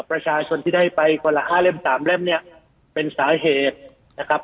ประชาชนที่ได้ไปคนละห้าเล่มสามเล่มเนี่ยเป็นสาเหตุนะครับ